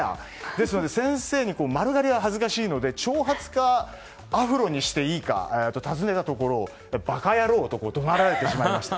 ですので、先生に丸刈りは恥ずかしいので長髪かアフロにしていいか尋ねたところ、ばかやろうと怒鳴られてしまいまして。